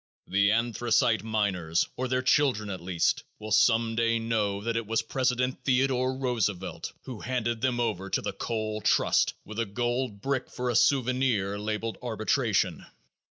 The anthracite miners, or their children at least, will some day know that it was President Theodore Roosevelt who handed them over to the coal trust with a gold brick for a souvenir, labeled "Arbitration."